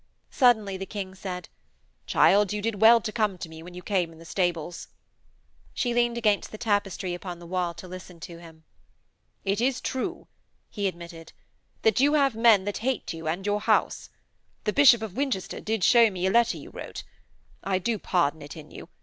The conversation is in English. Suddenly the King said: 'Child, you did well to come to me, when you came in the stables.' She leaned against the tapestry upon the wall to listen to him. 'It is true,' he admitted, 'that you have men that hate you and your house. The Bishop of Winchester did show me a letter you wrote. I do pardon it in you.